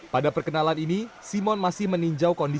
pada perkenalan ini simon masih meninjau kondisi